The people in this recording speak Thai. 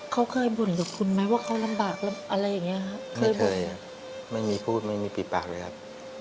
เขาเคยบ่นกับคุณไหมว่าเขาลำบากอะไรอย่างเงี้ยครับเคยบ่นครับไม่มีพูดไม่มีปิดปากเลยครับ